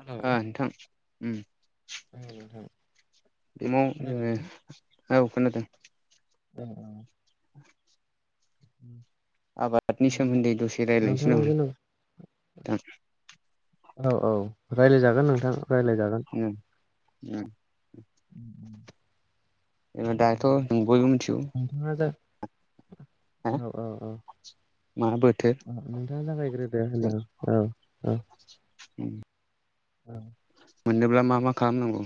Hello नोंथां औ नोंथां माव जोङो खोनादोंना औ खोनादों [unintelligible] [inaudible] आबादनि सोमोन्दै दसे नोंथां जेन' रायज्लायनोसै औ औ रायज्लायजागोन नोंथां रायज्लायजागोन उ [inaudible] दाथ' जों बयबो मिथिगौ नोंथाङा जा हा औ औ मा बोथोर औ नोंथाङा जागायग्रोदो उ औ मोननोब्ला मा मा खालामनांगौ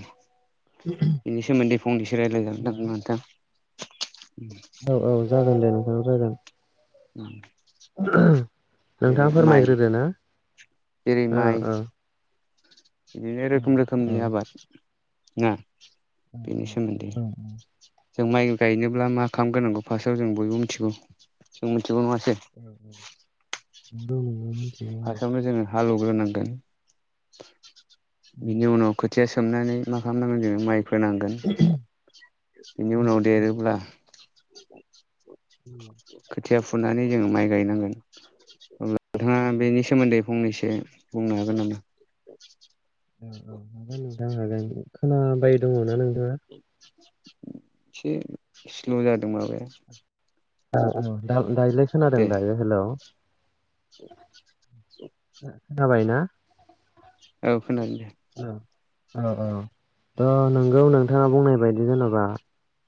बेनि सोमोन्दै फंनैसो रायज्लायजागोन दां नोंथां औ औ जागोन दे नोंथां जागोन औ नोंथाङा फोरमायग्रोदो ना इरै औ माइ औ बिदिनो रोखोम औ रोखोमनि आबाद नङा औ जों माइ गायनोब्ला मा खालामगोनांगौ फार्टव जों बयबो मिथिगौ जोंथि जुन मास द फारावनो जोङो हा लुग्रोनांगोन बिनि उनाव खोथिया सोमनानै मा खालामनांगोन जोङो माइ फोनांगोन बेनि उनाव देरोब्ला खोथिया फुनानै जोङो माइ गायनांगोन अब्ला बि उन्दै फंनैसो बुंनो हागोन नामा औ औ हागोन नोंथां हाग खोनाबाय दङना नोंथाङा एसे स्ल' जादों माबाया औ औ दायोलाय खोनादों दे दायो हेल' खाबायना औ खोनादों दे औ औ थ' नोंगौ नोंथाङा बुंनाय बायदि जेनेबा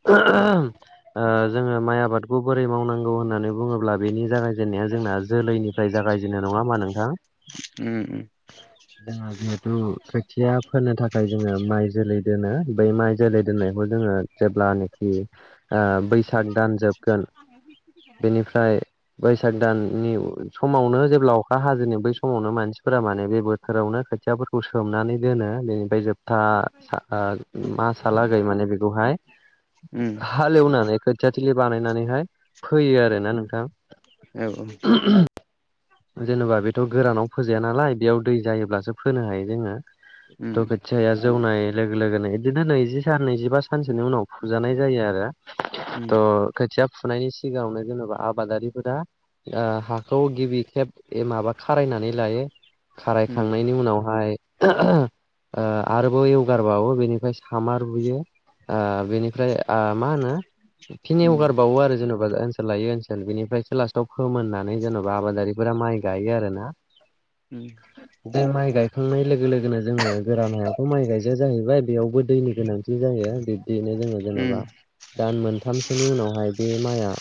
[unintelligible] जोङो माइ आबादखौ बोरै मावनांगौ होननानै बुङोब्ला बेनि जागायजेननाया जोंना जोलैनिफ्राय जागायजेनो नङामा नोंथां उम जोंहा जिहेथु खोथिया फोनो थाखाय जोङो माइ जोलै दोनो बै माइ जोलै दोननायखौ जोङो जेब्लानाखि बैसाग दान जोबगोन बेनिफ्राय बैसाग दान नि समावनो जेब्ला अखा हाजोनि बै समावनो मानसिफोरा माने बे बोथोरावनो खोथियाफोरखौ सोमनानै दोनो बेनिफ्राय जोबथा मासालागै माने बेखौहाय उम हालेवनानै खोथियाथिलि बानायनानैहाय फैयो आरोना उम नोंथां औ जेनेबा बेथ' गोरानाव फोजाया नालाय बेयाव दै जायोब्लासो फोनो हायो जोङो उम द' ख जौनाय लोगो लोगोनो बिदिनो नैजि सान नैजिबा सानसोनि उनाव फुजानाय जायो आरो उम त खाथि फुनायनि सिगाङावनो जेनेबा आबादारिफोरा हाखौ गिबि खेब माबा खारायनानै लायो खारायखांनायनि उम उनावहाय आरोबाव गारबावो बेनिफ्राय सामा रुयो बेनिफ्राय मा होनो फिनि उम हगारबावो आरो जेनेबा ओनसोल लायो ओनसोल बेनिफ्राय लास्टाव फोमोननानै जेन'बा आबादारिफोरा माइ गायो आरोना उम बे माइ गायखांनाय लोगो लोगोनो जोङो गोरान हायाथ' माइ गायजाया जाहैबाय बेयावबो दैनि गोनां जायो बिब्दिनो जोङो जेन'बा दान मोनथामसोनि उनावहाय बे माइआ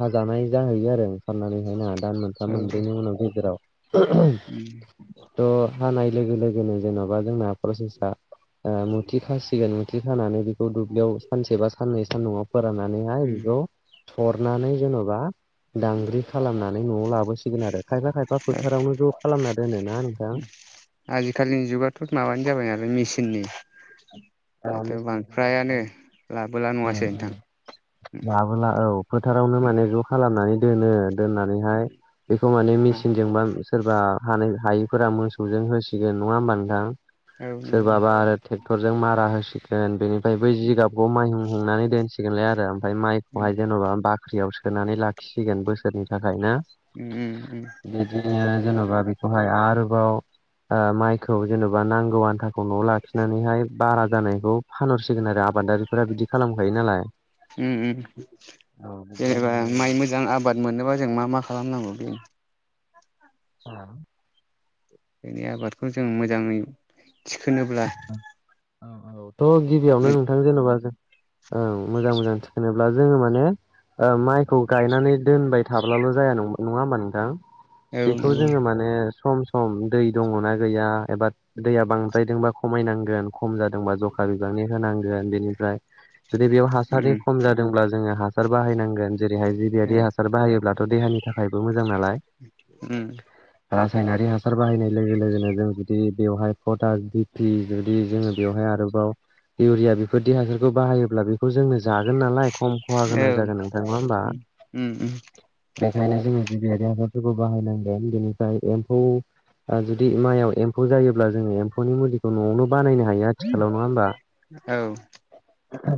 हाजानाय जाहैयो आरो साननानै नाङा दान मोनथा औ मोनब्रैनि उनाव गदेराव उम थ हानाय लोगो लोगोनो जेन'बा जोंना प्रसेसा मुथि खासिगोन मुथि खानानै दुब्लियाव सानसे बा साननै सान न'आव फोराननानैहाय उम बेखौ थरनानै जेनबा दांग्रि खालामनानै नआव लाबो हांसिगोन आरो खायफा खायफा फोथारावनो ज' खालामना दोनोना नोंथां आजिखालिनि जुगाथ माबानो जाबाय नालाय मेचिननि दाथ' रामस बां दाय फ्रायानो नालाय लाबोला नङासै नोंथां उम लाबोला औ फोथारावनो उम माने ज' खालामनानै दोनो दोननानैहाय बेखौ माने मा मेसिनजोंबा सोरबा हानाय हायिफोरा मोसौजों होसिगोन नङा होमबा नोंथां औ नंगौ सोरबाबा आरो टेक डक्टरजों मारा होसिगोन बेनिफ्राय बै उम जिगाबखौ माइहुं हुंनानै दोनसिगोनलाय आरो ओमफ्राय उम माइखौहाय जेन'बा बाख्रियाव सोनानै लाखि फिसिगोन बोसोरनि थाखाय ना उम उम बिदिनो जेन'बा बेखौहाय आरो आरोबाव माइखौ जेन'बा नांगौ आन्थाखौ न'आव लाखिनानैहाय बारा जानायखौ फानहरसिगोन आरो आबादारिफोरा बिदि खालामखायो नालाय उ उ औ जेनेबा माइ बिदिनो मोजां आबाद मोनोबा जों मा मा खालामनांगौ बेनो उ दिनि आबादखौ जों मोजाङै थिखोनोब्ला औ औ थ' गिबियावनो नोंथां जेनेबा जों औ मोजां मोजां थिखोनोब्ला जोङो माने माइखौ गायनानै दोनबाय थाब्लाल' जाया नं नङा होमबा नोंथां औ बेखौ नंगौ जोङो उम माने सम सम खम दै दङना गैया एबा दैया बांद्रायदोंबा खमायनांगोन खम जादोंबा जखा बिबांनि होनांगोन बेनिफ्राय जुदि बेयाव हासारनि उम खम जादोंब्ला जोङो हासार बाहायनांगोन जेरैहाय जि बेबायदि हासार बाहायोब्ला देहानि थाखायबो मोजा उ रासायनारि हासार बाहायनाय लोगो लोगोनो जों जुदि बेवहाय फटा फि जुदि जोङो बेवहाय आरोबाव इउरिया बेफोरबायदि हासारखौ बाहायोब्ला बेखौ जोंनो जागोन नालाय खम खहा गोनां जागोन नोंथां ना होमबा उम उम बेखायनो जोङो जिबियारि आबादफोरखौ बाहायनांगोन बेनिफ्राय एम्फौ जुदि माइयाव एम्फौ जायोब्ला जोङो एम्फौनि मुलि बानायनो हायो आथिखालाव नङा होमबा औ औ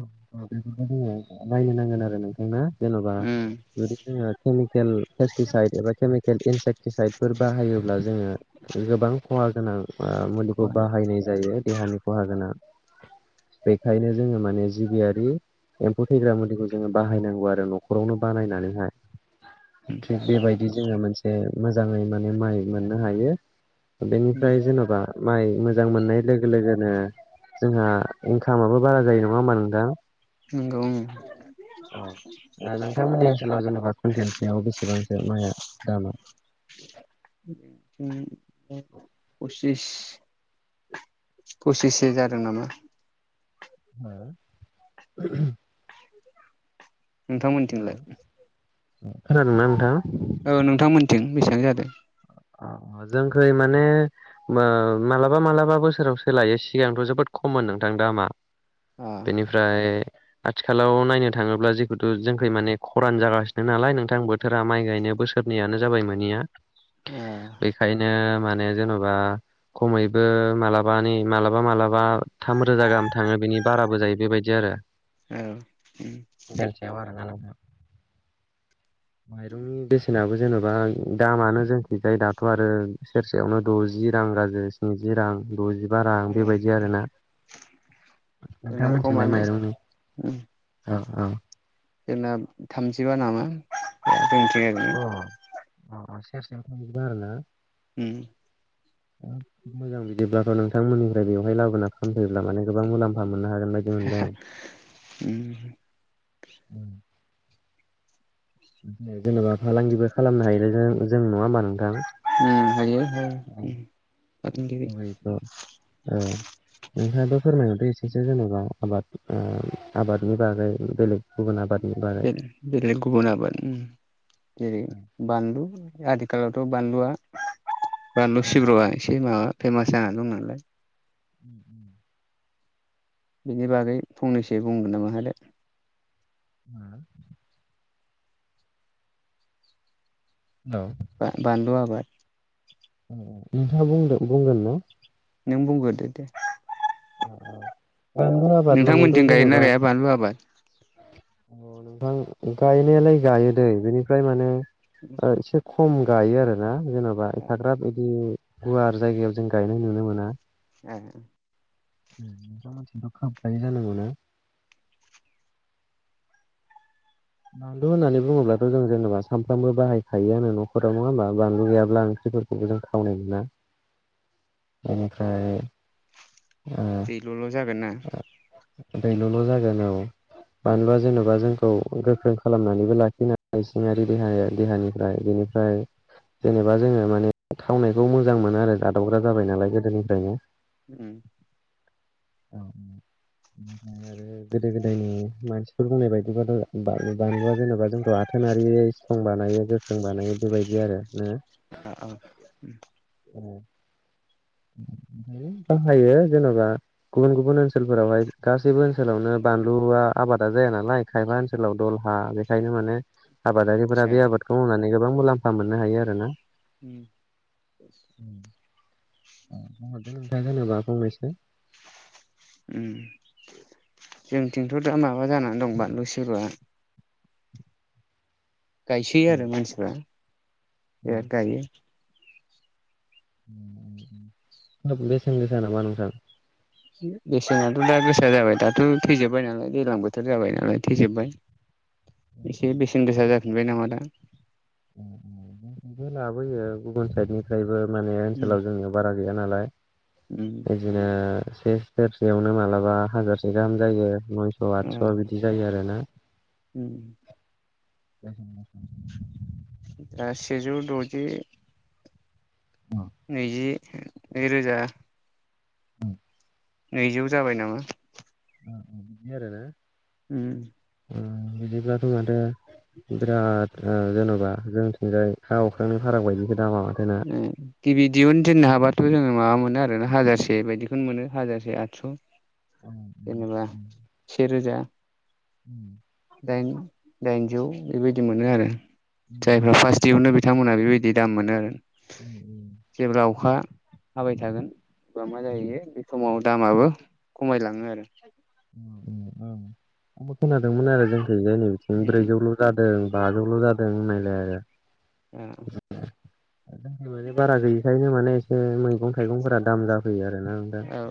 बेफोरखौ जोङो नायनो नांगोन आरो नोंथां ना जेन'बा उम जुदि जोङो केमिकेल पेस्टिसाइद एबा केमिकेल इनसेकटिसाइदफोर बाहायोब्ला जोङो गोबां खहा गोनां मुलिखौ खहाय बाहायनाय जायो देहानि खहा गोनां बेखायनो जोङो माने जिबियारि एम्फौ थैग्रा मुलिखौ जोङो बाहायनांगौ आरो न'खरावनो बानायनानैहाय थिग बेबायदि जोङो मोनसे मोजाङै माने माइ मोननो हायो उम बेनिफ्राय जेन'बा माइ मोजां मोननाय लोगो लोगोनो जोंहा इनकामाबो बारा जायो नङा होमबा नोंथां नंगौ औ औ नोंथांमोननि ओनसोलाव जेन'बा कुन्टेनसेयाव बेसेबांसो माया दामा उ पसिस पसिससो जादों नामा हो [unintelligible] नोंथांमोनथिंलाय औ खोनादोंना नोंथां औ नोंथांमोनथिं बेसेबां जादों अ जोंखै माने मालाबा मालाबा बोसोराव सोलायो सिगांथ' जोबोद ख खममोन नोंथां दा मा अ बेनिफ्राय आथिखालाव नायनो थाङोब्ला जिहुथु जोंखौ माने खरान जागासिनो नालाय नोंथां बोथोरा माइ गायनो बोसोरनैयानो जाबाय माने जोंनिया अ बेखायनो माने जेन'बा खमैबो मालाबा नै मालाबा मालाबा थाम रोजा गाहाम थाङो बिनि बाराबो जायो बेबायदि आरो औ उम [unintelligible] या बारा ना नोंथां माइरंनि बेसेनाबो जेन'बा दामानो जों बिजाय दाथ' आरो सेरसेयावनो द'जि रां गाज्रि स्निजि रां द'जि बा रां ए बेबायदि आरोना। जोंना नोंथां मोनथिलाय खमानो माइरं उम औ औ। जोंना थामजिबा नामा? ओ जोंथि आरैनो औ अ अ सेरसेयाव थामजिबा आरोना? उम। अ मोजां बिदिब्लाथ' नोंथांमोननिफ्राय बेवहाय लाबोना फानफैब्ला माने गोबां मुलामफा मोन्नो हागोन बायदि मोनबाय आं। उम नो जेनेबा फालांगिबो खालामनो हायोना जों जों नङा होमबा? नोंथां उम हायो हायो उम। [unintelligible] फालांगिरि ओ नोंथाङाबो फोरमायहरदो एसे जेनेबा आबाद ओ आबादनि बागै बेलेग गुबुन आबाद बे बेलेग गुबुन आबाद उम जेरै बानलु आदि खालावथ' बानलुआ बानलु सिब्रुआ एसे माबा फेमास जानानै दं नालाय। [inaudible] बिनि बागै फंनैसो बुंगोन नामा होदो। हो औ बा बान्लु आबाद। औ औ नोंथाङा बुंदो बुंगोन ना? नों बुंगोदो दे। अ अ बान्लु आबाद मानेथ' नोंथांमोनथिं गायोना जेन'बा गाया बानलु आबाद अ नोंथां गायनायालाय गायो दैे। बिनिफ्राय माने ओ एसे ख' खम गायो आरोना जेन'बा एफाग्राब इदि गुवार जायगायाव जों गायनाय नुनो मोना। ए उम नोंथां मोन्थिंथ' खाम खायो जानांगौ ना? बानलु होननानै बुङोब्लाथ' जों जेनेबा सामफ्रामबो बाहायखायोआनो न'खराव। नङा होमबा? बानलु गैयाब्ला ओं ख्रि फोरखौबो जों थावनाय मोना। एनिफ्राय दैल'ल' जागोन ना। दैल'ल' जागोन औ। उम मानना जेन'बा जों औ गोख्रों खालामनानैबो लाखिनो हायो। सिङारि देहाया देहानिफ्राय बेनिफ्राय जेनेबा जोङो माने थावनायखौ मोजां मोनो आरो जादावग्रा जाबाय नालाय गोदोनिफ्रायनो। उम। औ बेनिफ्राय आरो गोदो गोदायनि मानसिफोर बुंनाय बायदिबाथ' बान बानलुआ जेनेबा जोंखौ आथोनारियै सिथ्रं बानायो गोख्रों बानायो बेबायदि आरो ना। [unintelligible] [unintelligible] [inaudible] ओमफायो बाहायो जेन'बा गुबुन गुबुन ओनसोलफोरावहाय गासैबो ओनसोलावनो बानलुआ आबादा जाया नालाय। खायफा ओनसोलाव दलहा बेखायनो माने आबादारिफोरा जायो बे आबादखौ मावनानै गोबां मुलाम्फा मोननो हायो आरो ना। उम। अ बुंहरदो नोंथां जेनेबा फंनैसो। उम जोंथिंथ' दा माबा जानान दं बानलु सिब्रआ गायसैयो आरो मानसिफ्रा बिराद गायो। [unintelligible] गोसान नामा नोंथां? बेसेनाथ' दा गोसा जाबाय। दाथ' थैजोबबाय नालाय दैज्लां बोथोर जाबाय नालाय थैजोब्बाय। एसे बेसेन गोसा जाफिनबाय नामा दा लाबोयो गुबुन साइडनिफ्रायबो माने उम ओनसोलाव जोंनियाव बारा गैया नालाय उम बिदिनो से सेरसेयावनो मालाबा हाजारसो गाहाम जायो नयस' आदस' बिदि जायो आरोोना उ ए दा सेेजौ दजि नैजि नैरोजा नैजौ जाबाय नामा अ बि आरोना उम बिदिब्लाथ' माथो बिराद जेन'बा जोंथिंजाय हा अख्रानि फाराग बायदिसो दामा माथो ना उम गिबि दिहुन दोननो हाबाथ' जोङो माबा मोनो आरोना हाजारसे बायदिखौनो मोनो हाजारसे आठस' उ रोजा उ दाइनजौ बेबायदि मोनो आरो जायफ्रा फार्स्ट देयावनो बिथांमोना बेबायदि दाम मोनो आरो उ जेब्ला अखा हाबाय थागोन बबा मा जाहैयो बे समाव दामाबो खमायलाङो आरो [unintelligible] खोनादोंमोन आरो जोंथ जायनि बिथिं उम ब्रैजौल' जादों बाजौल' जादों होननायलाय आरो ओ द माने बारा गैयिखायनो माने एसे मै मैगं थाइगंफोरा दाम जाफैयो आरो ना दा औ